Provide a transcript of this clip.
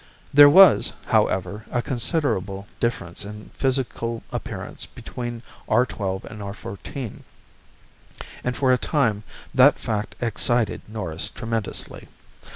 There was, however, a considerable difference in physical appearance between R 12 and R 14, and for a time that fact excited Norris tremendously.